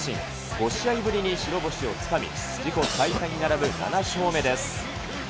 ５試合ぶりに白星をつかみ、自己最多に並ぶ７勝目です。